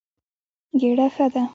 ګېډه ښه ده.